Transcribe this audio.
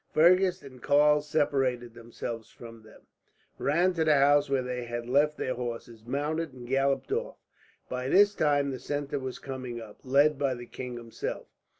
Fergus and Karl separated themselves from them, ran to the house where they had left their horses, mounted, and galloped off. By this time the centre was coming up, led by the king himself.